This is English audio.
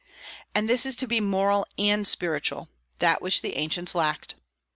And this is to be moral and spiritual, that which the ancients lacked.